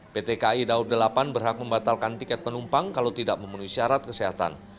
ptki dawab delapan berhak membatalkan tiket penumpang kalau tidak memenuhi syarat kesehatan